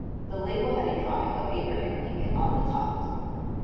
The label had a drawing of Abraham Lincoln on the top.